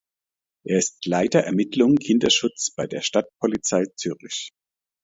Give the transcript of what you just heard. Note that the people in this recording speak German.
Er ist Leiter Ermittlungen Kinderschutz bei der Stadtpolizei Zürich.